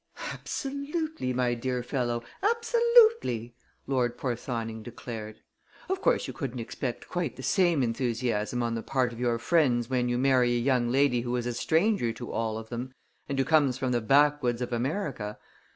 "Absolutely, my dear fellow absolutely!" Lord Porthoning declared. "Of course you couldn't expect quite the same enthusiasm on the part of your friends when you marry a young lady who is a stranger to all of them and who comes from the backwoods of America.